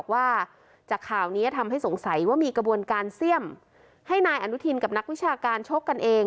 ว่าจากข่าวนี้ทำให้สงสัยว่ามีกระบวนการเสี่ยมให้นายอนุทินกับนักวิชาการชกกันเอง